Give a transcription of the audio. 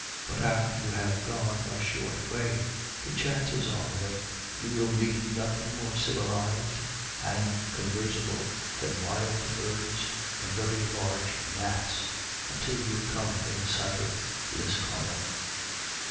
gjit after you have gone a short way the chances are that you will meet nothing more civilised and con versable than wild birds and very large gnats, until you come in sight of Lisconnel.